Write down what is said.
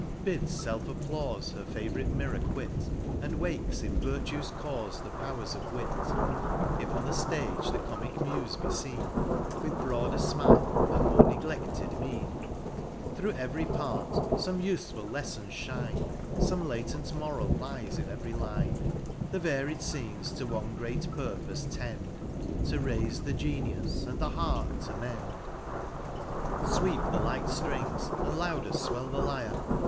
21 Bids Self applaufe her favourite mirror quit, And wakes in Virtue's caufe the powers of Wit : If on the ftage the Comic Mufe be feen, With broader fmile, and more negledied mien ; Thro' every part, fome ufeful leffons fhine. Some latent moral lies in every line ; The varied fcenes to one great purpofe tend, *' To raife the Genius, and the heart to mend." Sweep the light ftrings, and louder fwell the Lyre